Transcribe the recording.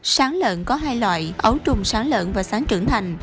sán lợn có hai loại ấu trùng sán lợn và sán trưởng thành